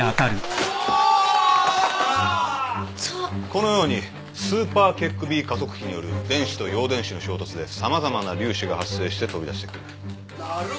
このようにＳｕｐｅｒＫＥＫＢ加速器による電子と陽電子の衝突で様々な粒子が発生して飛び出してくる。